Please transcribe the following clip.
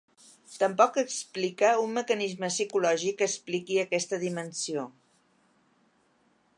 Tampoc explica un mecanisme psicològic que expliqui aquesta dimensió.